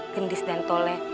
gendis dan toleh